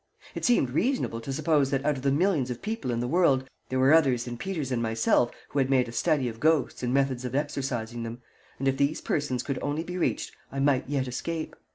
It seemed reasonable to suppose that out of the millions of people in the world there were others than Peters and myself who had made a study of ghosts and methods of exorcising them, and if these persons could only be reached I might yet escape.